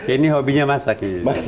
ini hobinya masak